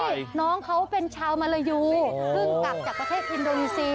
คือว่านี่น้องเค้าเป็นชาวเมริยบินจากประเทศอินโดยูซี่